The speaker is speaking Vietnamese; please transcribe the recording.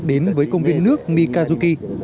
đến với công viên nước mikazuki